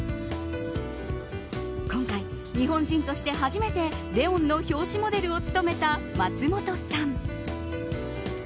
今回、日本人として初めて「ＬＥＯＮ」の表紙モデルを務めた松本さん。